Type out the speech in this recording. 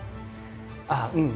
あっうん。